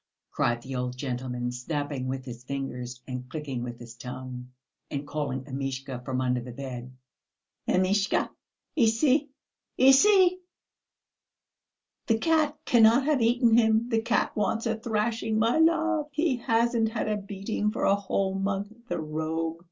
cried the old gentleman, snapping with his fingers and clicking with his tongue, and calling Amishka from under the bed. "Amishka, ici, ici. The cat cannot have eaten him. The cat wants a thrashing, my love, he hasn't had a beating for a whole month, the rogue.